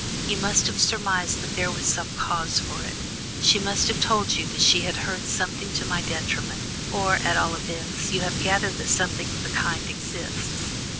You must have surmised that there was some cause for it; she must have told you that she had heard something to my detriment, or, at all events, you have gathered that something of the kind exists?